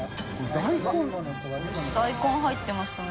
大根入ってましたね。